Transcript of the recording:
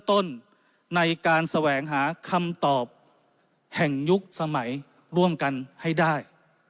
ต้นในการแสวงหาคำตอบแห่งยุคสมัยร่วมกันให้ได้